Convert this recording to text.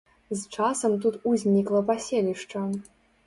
З часам тут узнікла паселішча.